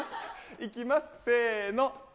いきます、せーの。